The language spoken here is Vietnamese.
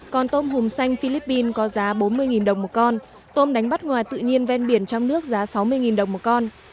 còn tôm hùm xanh philippines có giá bốn mươi đồng một con tôm đánh bắt ngoài tự nhiên ven biển trong nước giá sáu mươi đồng một con